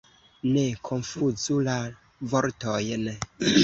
Ne konfuzu la vortojn!